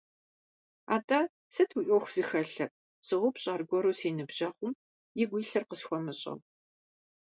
Атӏэ, сыт уи ӏуэху зыхэлъыр - соупщӏ аргуэру си ныбжьэгъум, игу илъыр къысхуэмыщӏэу.